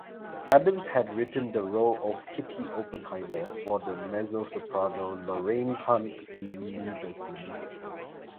Adams had written the role of Kitty Oppenheimer for the mezzo-soprano Lorraine Hunt Lieberson.